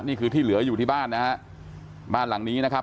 นี่คือที่เหลืออยู่ที่บ้านนะฮะบ้านหลังนี้นะครับ